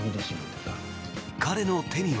彼の手には。